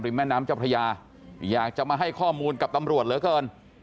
แม่น้ำเจ้าพระยาอยากจะมาให้ข้อมูลกับตำรวจเหลือเกิน